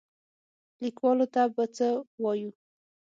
کليوالو ته به څه وايو؟